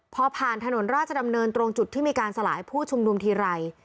พอผ่านถนนราชดำเนินตรงจุดที่มีการสลายผู้ชุมนุมทีไร